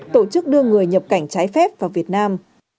tổ chức đưa người nhập cảnh trái phép vào việt nam